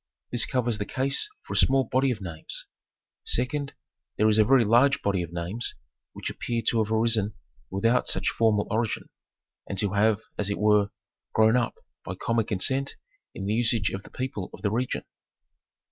This covers the case for a small body of names. Second, there is a very large body of names which appear to have arisen without such formal origin, and to have, as it were, grown up by common consent in the usage of the people of the region.